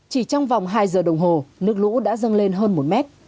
chỉ trong vòng hai giờ đồng hồ nước lũ đã dâng lên hơn một mét